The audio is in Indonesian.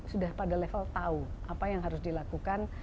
sudah pada level tahu apa yang harus dilakukan